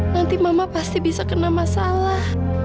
nanti mama pasti bisa kena masalah